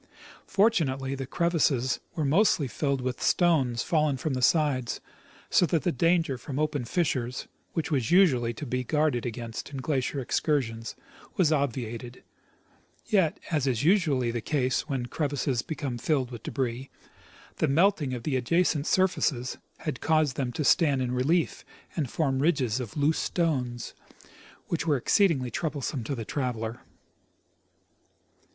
Fortunately, the crevasses were mostly filled with stones fallen from the sides, so that the danger from open fissures, which has usually to be guarded against in glacial excursions, was obviated ; yet, as is usually the case Avhen crevasses become filled with debris, the melting of the adjacent surfaces had caused them to stand in relief and form ridges of loose stones, which were exceedingly troublesome to the traveler.